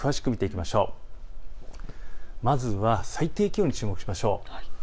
まずは最低気温に注目しましょう。